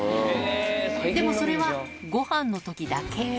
でもそれは、ごはんのときだけ。